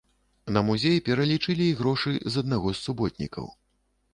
На музей пералічылі і грошы з аднаго з суботнікаў.